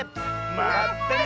まったね！